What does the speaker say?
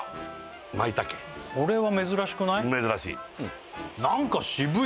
これは珍しくない？